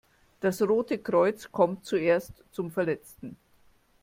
Das Rote Kreuz kommt zuerst zum Verletzten.